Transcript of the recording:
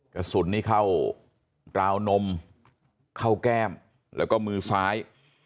กระสุนนี่เข้าราวนมเข้าแก้มแล้วก็มือซ้าย